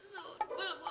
sawo debel bapak